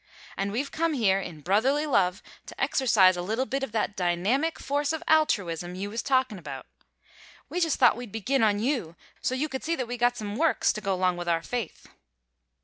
"And we've come here in brotherly love to exercise a little of that dynamic force of altruism you was talkin' about. We just thought we'd begin on you so's you could see that we got some works to go 'long with our faith."